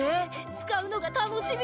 使うのが楽しみだよ！